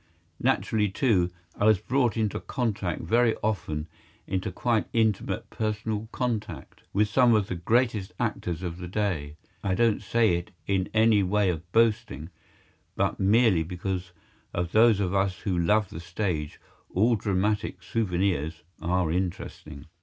Naturally, too, I was brought into contact, very often into quite intimate personal contact, with some of the greatest actors of the day. I don't say it in any way of boasting, but merely because to those of us who love the stage all dramatic souvenirs are interesting.